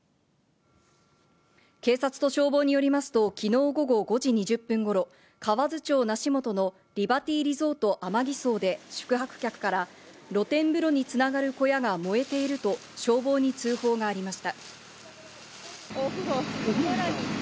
警察と消防によりますと昨日午後５時２０分頃、河津町梨本のリバティリゾートＡＭＡＧＩＳＯで宿泊客から露天風呂に繋がる小屋が燃えていると消防に通報がありました。